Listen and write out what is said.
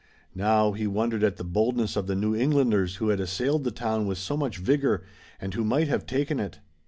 Now, he wondered at the boldness of the New Englanders who had assailed the town with so much vigor, and who might have taken it.